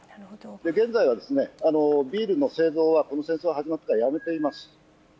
現在はビールの製造は、この戦争始まってからやめています。